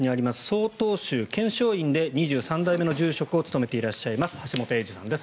曹洞宗見性院で２３代目の住職を務めていらっしゃいます橋本英樹さんです。